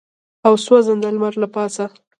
او سوځنده لمر له پاسه.